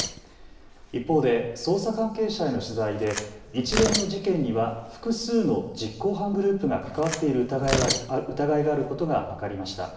一方で捜査関係者への取材で一連の事件には複数の実行犯グループが関わっている疑いがあることが分かりました。